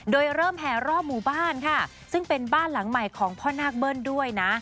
โดยเริ่มแห่รอบหมู่บ้านค่ะซึ่งเป็นบ้านหลังใหม่ของพ่อนาคเบิ้ลด้วยนะ